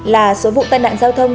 hai mươi năm là số vụ tai nạn giao thông